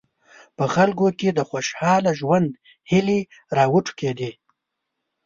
په خلکو کې د خوشاله ژوند هیلې راوټوکېدې.